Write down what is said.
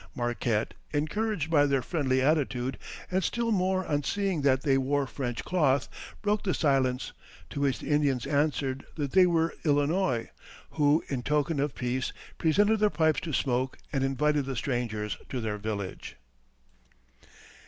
Marquette, encouraged by their friendly attitude, and still more on seeing that they wore French cloth, broke the silence; to which the Indians answered that they were Illinois, who, in token of peace, presented their pipes to smoke and invited the strangers to their village.